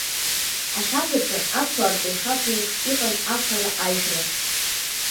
Ашьаԥаҿы, аԥсуаа рҿы ишаԥу еиԥш, иҟан афараажәра.